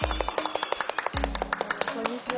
こんにちは。